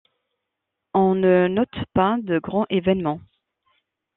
On ne note pas de grands événements.